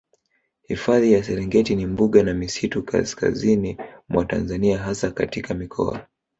Hifadhi ya Serengeti ni mbuga na misitu kaskazini mwa Tanzania hasa katika mikoa